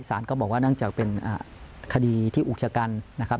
ก็บอกว่าเนื่องจากเป็นคดีที่อุกชะกันนะครับ